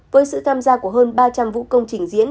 với sự tham gia của hơn ba trăm linh vũ công trình diễn